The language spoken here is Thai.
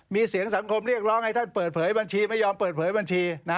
มีเสียงสังคมเรียกร้องให้ท่านเปิดเผยบัญชีไม่ยอมเปิดเผยบัญชี